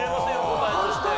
答えとして。